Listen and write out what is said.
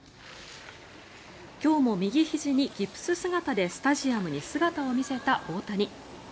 今日も右ひじにギプス姿でスタジアムに姿を見せた大谷。